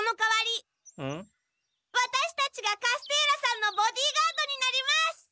ワタシたちがカステーラさんのボディーガードになります！